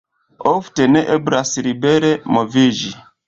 Ofte ne eblas libere moviĝi.